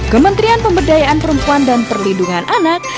kementerian pemberdayaan perempuan dan perlindungan anak